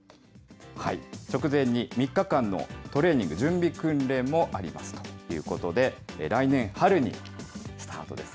直前に３日間のトレーニング、準備訓練もありますということで、来年春にスタートです。